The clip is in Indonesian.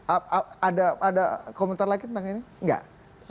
ada komentar lagi tentang ini enggak